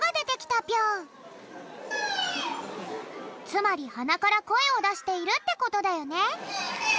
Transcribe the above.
つまりはなからこえをだしているってことだよね。